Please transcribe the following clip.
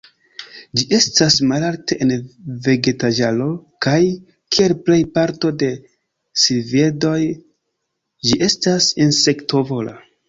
Ĝi estas malalte en vegetaĵaro, kaj, kiel plej parto de silviedoj, ĝi estas insektovora.